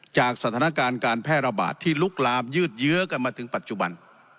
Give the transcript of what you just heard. สถานการณ์การแพร่ระบาดที่ลุกลามยืดเยื้อกันมาถึงปัจจุบัน